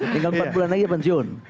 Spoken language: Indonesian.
tinggal empat bulan lagi pensiun